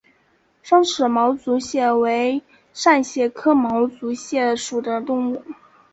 双齿毛足蟹为扇蟹科毛足蟹属的动物。